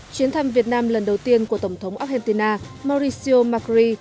chuyến thăm việt nam lần đầu tiên của tổng thống argentina mauricio macri